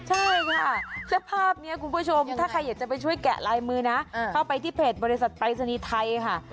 ใช่ค่ะเสื้อผ้านี้คุณผู้ชมถ้าใครอยากจะไปช่วยแกะลายมือนะเข้าไปที่เพจบริษัทปรายศนีย์ไทยค่ะ